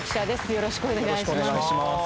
よろしくお願いします。